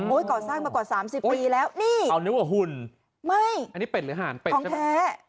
โอ้ยก่อสร้างมากว่า๓๐ปีแล้วนี่เอานิวอร์หุ่นไม่อันนี้เป็นหรือห่านของแท้